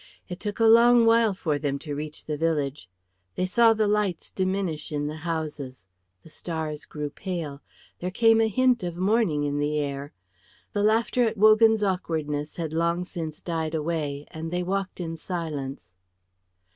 It took a long while for them to reach the village. They saw the lights diminish in the houses; the stars grew pale; there came a hint of morning in the air. The laughter at Wogan's awkwardness had long since died away, and they walked in silence.